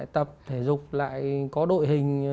tập thể dục lại có đội hình